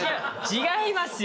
違いますよ！